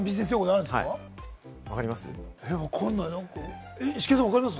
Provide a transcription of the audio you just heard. これ分かります？